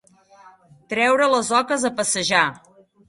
Treure les oques a passejar.